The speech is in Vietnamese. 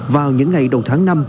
vào những ngày đầu tháng năm